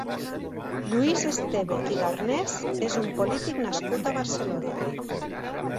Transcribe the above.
Lluís Esteve i Garnés és un polític nascut a Barcelona.